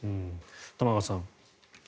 玉川さん。